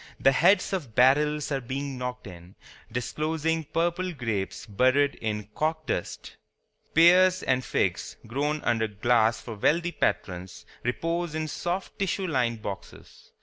The heads of barrels are being knocked in, disclosing purple grapes buried in corkdust. Pears and figs, grown under glass for wealthy patrons, repose in soft tissue lined boxes.